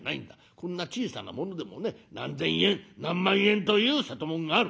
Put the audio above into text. こんな小さなものでもね何千円何万円という瀬戸物がある」。